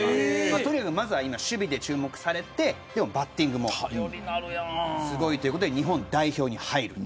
とにかく守備で注目されてバッティングもすごいということで日本代表に入る。